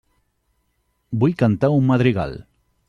Vull cantar un madrigal.